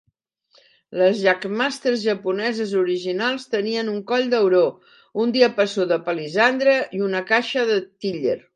Les Jagmasters japoneses originals tenien un coll d'auró, un diapasó de palissandre i una caixa de til·ler.